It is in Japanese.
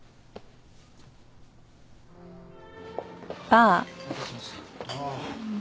ああ。